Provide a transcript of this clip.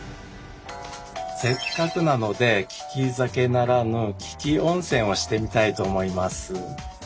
せっかくなのできき酒ならぬ「きき温泉」をしてみたいと思います。